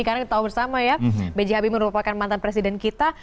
karena kita tahu bersama ya b j habibie merupakan mantan presiden kita